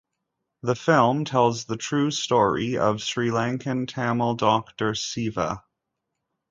The film tells the true story of Sri Lankan Tamil doctor Siva.